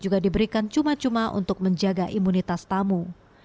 juga diberikan cuma cuma untuk menjaga imunitas tamu